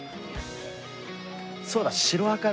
そうだ。